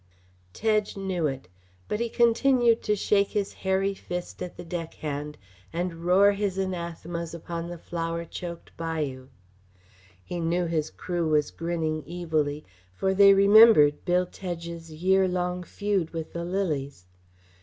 Tedge knew it. But he continued to shake his hairy fist at the deckhand and roar his anathemas upon the flower choked bayou. He knew his crew was grinning evilly, for they remembered Bill Tedge's year long feud with the lilies.